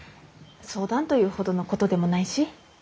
相談というほどのことでもないし。